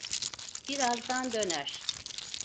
Birazdan döner.